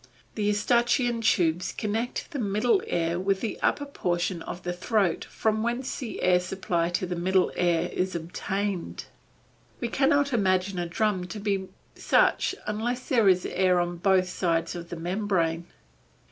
The Eustachian tubes connect the middle ear with the upper portion of the throat from whence the air supply to the middle ear is obtained. We cannot imagine a drum to be such unless there is air on both sides of the membrane.